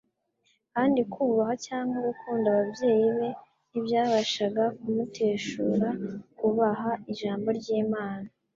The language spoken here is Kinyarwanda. kandi kubaha cyangwa gukunda ababyeyi Be ntibyabashaga kumuteshura ku kubaha Ijambo ry'Imana